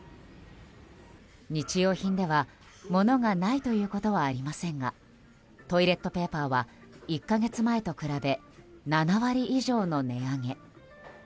日用品では物がないということはありませんがトイレットペーパーは１か月前と比べ７割以上の値上げ。